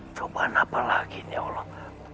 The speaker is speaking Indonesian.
cobaan apa lagi ini ya allah